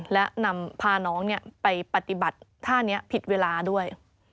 และนำพาน้องไปปฏิบัติท่านี้ผิดเวลาด้วย